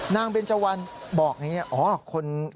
นางเบรนจวัลบอกอย่างนี้